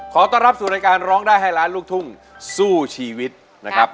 ขอต้อนรับสู่รายการร้องได้ให้ล้านลูกทุ่งสู้ชีวิตนะครับ